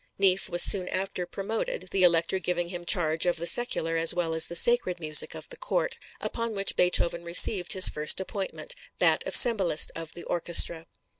Neefe was soon after promoted, the Elector giving him charge of the secular as well as the sacred music of the Court, upon which Beethoven received his first appointment, that of cembalist of the orchestra.